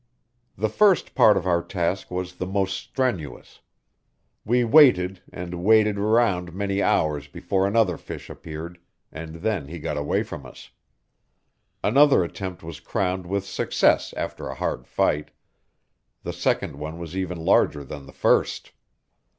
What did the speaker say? The first part of our task was the most strenuous. We waited and waded round many hours before another fish appeared, and then he got away from us. Another attempt was crowned with success after a hard fight. The second one was even larger than the first.